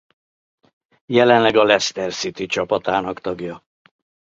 Jelenleg a Leicester City csapatának tagja.